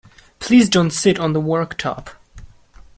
Please don't sit on the worktop!